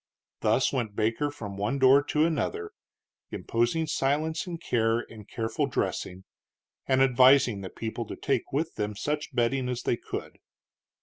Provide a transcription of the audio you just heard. Thus went Baker from one door to another, imposing silence and care and careful dressing, and advising the people to take with them such bedding as they could.